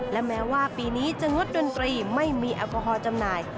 และแม้ว่าปีนี้จะงดดนตรีไม่มีแอลกอฮอลจำหน่าย